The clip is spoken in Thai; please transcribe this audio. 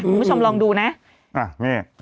คุณผู้ชมลองดูนะนี่